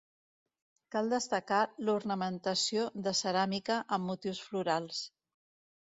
Cal destacar l'ornamentació de ceràmica, amb motius florals.